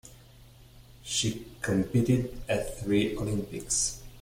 She competed at three Olympics.